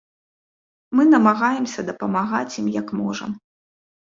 Мы намагаемся дапамагаць ім як можам.